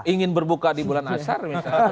ingin berbuka di bulan azhar misalnya